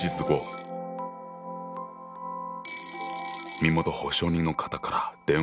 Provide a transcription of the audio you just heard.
☎身元保証人の方から電話だ。